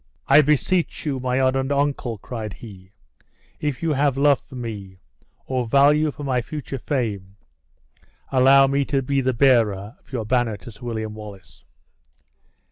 "I beseech you, my honored uncle," cried he, "if you have love for me, or value for my future fame, allow me to be the bearer of your banner to Sir William Wallace."